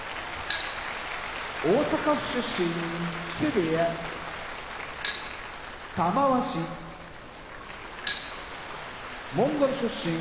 大阪府出身木瀬部屋玉鷲モンゴル出身